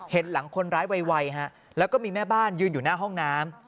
เห็นหลังคนร้ายไวฮะแล้วก็มีแม่บ้านยืนอยู่หน้าห้องน้ำ